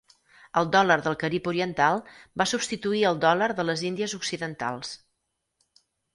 El dòlar del Carib Oriental va substituir el dòlar de les Índies Occidentals.